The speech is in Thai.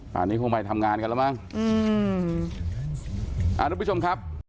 ตอนนี้คงไปทำงานกันแล้วมั้งอืมอ่าทุกผู้ชมครับ